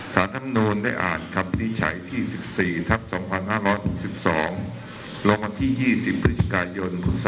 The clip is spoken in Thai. ศาสตร์ธรรมนุนได้อ่านคำวินิจฉัยที่๑๔ทับ๒๕๖๒ลงที่๒๐พศ๒๕๖๒ประทิกายนพศ๒๕๖๔